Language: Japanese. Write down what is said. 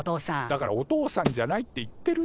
だからお父さんじゃないって言ってるだろ！